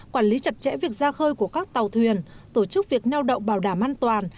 quản lý chặt chẽ việc ra khơi của các tàu thuyền tổ chức việc neo đậu bảo đảm an toàn